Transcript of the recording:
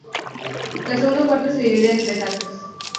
La segunda parte se divide en tres actos.